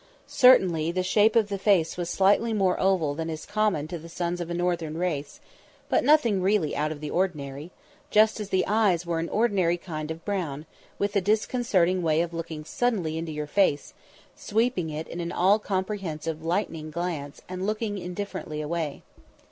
Certainly the shape of the face was slightly more oval than is common to the sons of a northern race, but nothing really out of the ordinary, just as the eyes were an ordinary kind of brown, with a disconcerting way of looking suddenly into your face, sweeping it in an all comprehensive lightning glance and looking indifferently away.